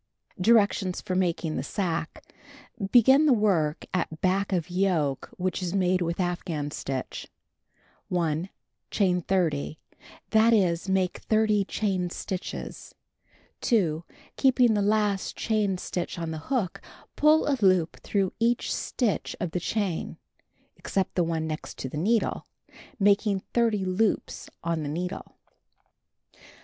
Directions for Making the Sacque: Begin the work at back of yoke which is made with afghan stitch. 1. Chain 30; that is, make 30 chain stitches. 2. Keeping the last chain stitch on the hook, pull a loop through each stitch of the chain (except the one next to the needle) making 30 loops on the needle.